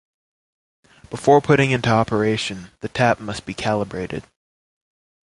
Before putting into operation the tap must be calibrated.